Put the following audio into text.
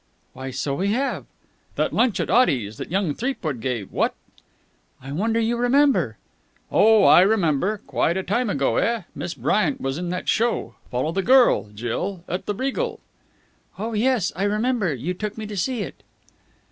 "Why, so we have!" "That lunch at Oddy's that young Threepwood gave, what?" "I wonder you remember." "Oh, I remember. Quite a time ago, eh? Miss Bryant was in that show. 'Follow the Girl,' Jill, at the Regal." "Oh, yes. I remember you took me to see it."